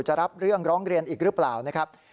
รับเรื่องร้องเรียนอีกหรือเปล่านะครับ